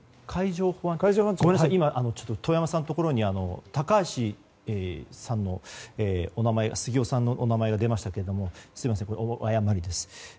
遠山さんのところに高橋杉雄さんのお名前が出ましたけれどもすみません、誤りです。